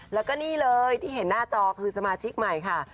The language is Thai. แล้วก็นี่เลยที่เห็นหน้าจอคือสมาชิกใหม่ค่ะ